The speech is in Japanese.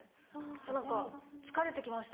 何か疲れてきました